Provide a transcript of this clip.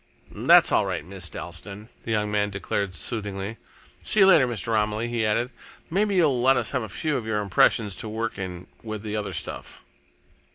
"That's all right, Miss Dalstan," the young man declared soothingly. "See you later, Mr. Romilly," he added. "Maybe you'll let us have a few of your impressions to work in with the other stuff."